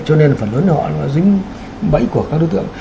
cho nên là phần lớn họ nó dính bẫy của các đối tượng